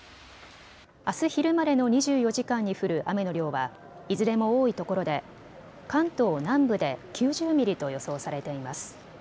あす昼までの２４時間に降る雨の量はいずれも多いところで関東南部で９０ミリと予想されています。